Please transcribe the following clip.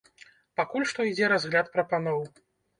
Пакуль што ідзе разгляд прапаноў.